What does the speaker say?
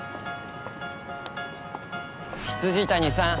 ・未谷さん。